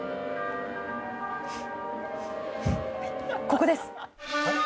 ここです。